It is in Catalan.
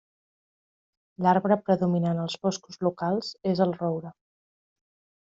L'arbre predominant als boscos locals és el roure.